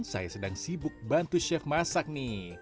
saya sedang sibuk bantu chef masak nih